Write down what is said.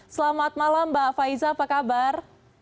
selamat malam mbak faiza apa kabar